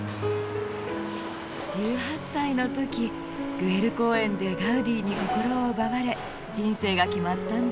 １８歳のときグエル公園でガウディに心を奪われ人生が決まったんだ！